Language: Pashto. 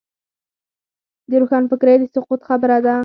د روښانفکرۍ د سقوط خبره کوو.